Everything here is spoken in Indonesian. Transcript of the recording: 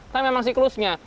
tapi memang siklusnya